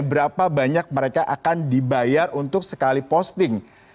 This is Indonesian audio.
berapa banyak mereka akan dibayar untuk sekali posting